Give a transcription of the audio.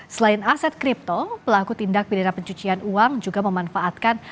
selain aset kripto pelaku tindak pidana pencucian uang juga memanfaatkan